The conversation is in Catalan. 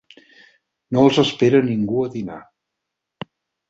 No els espera ningú a dinar.